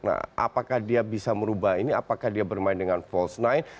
nah apakah dia bisa merubah ini apakah dia bermain dengan false sembilan